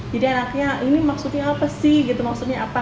jadi anaknya ini maksudnya apa sih maksudnya apa